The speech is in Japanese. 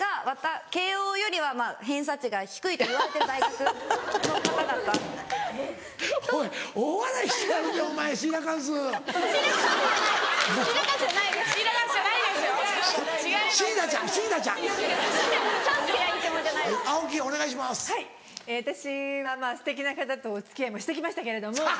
私はすてきな方とお付き合いもして来ましたけれども。